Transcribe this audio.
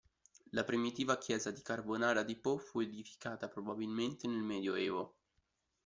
La primitiva chiesa di Carbonara di Po fu edificata probabilmente nel Medioevo.